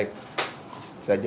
baik itu saja